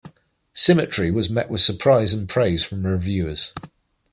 Symmetry was met with surprise and praise from reviewers.